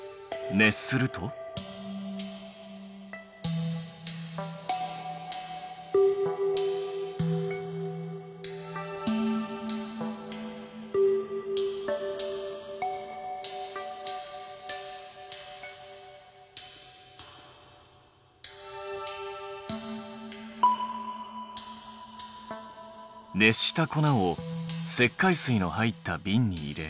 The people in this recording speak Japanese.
熱した粉を石灰水の入ったびんに入れ。